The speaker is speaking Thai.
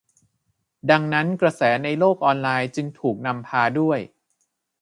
ดังนั้นกระแสในโลกออนไลน์จึงถูกนำพาด้วย